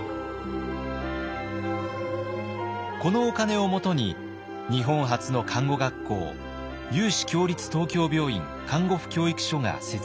このお金をもとに日本初の看護学校有志共立東京病院看護婦教育所が設立されます。